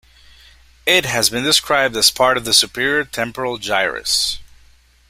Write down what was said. It has been described as part of the superior temporal gyrus.